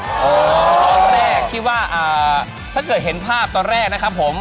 ตอนแรกคิดว่าถ้าเกิดเห็นภาพตอนแรกนะครับผม